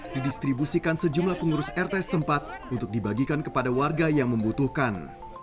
didistribusikan sejumlah pengurus rt setempat untuk dibagikan kepada warga yang membutuhkan